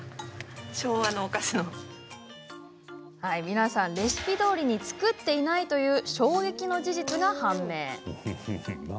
皆さん、レシピどおりに作っていないという衝撃の事実が判明。